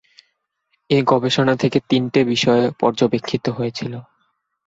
এই গবেষণা থেকে তিনটে বিষয় পর্যবেক্ষিত হয়েছিল।